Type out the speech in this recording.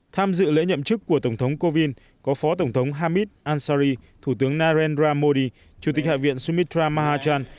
tham dự lễ nhậm chức của tổng thống covind có phó tổng thống hamid ansari thủ tướng narendra modi chủ tịch hạ viện sumitra mahachan